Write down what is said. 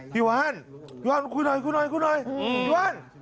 พี่ว่านพี่ว่านกูหน่อยพี่ว่าน